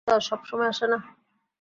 বিশ্বকাপ জয়ের সুযোগ তো আর সব সময় আসে না